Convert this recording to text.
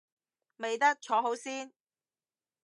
未得，坐好先